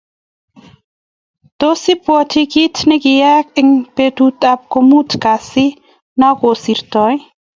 Tos ibwati kiit nikiiyay eng betut ab komut kasit na kosirta?